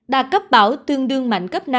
đạt cấp bão tương đương mạnh cấp năm